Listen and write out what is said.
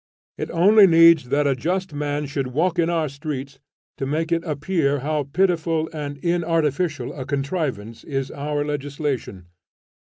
It only needs that a just man should walk in our streets to make it appear how pitiful and inartificial a contrivance is our legislation.